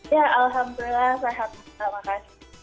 ya alhamdulillah sehat terima kasih